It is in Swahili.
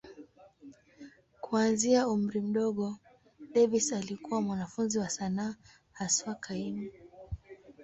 Kuanzia umri mdogo, Davis alikuwa mwanafunzi wa sanaa, haswa kaimu.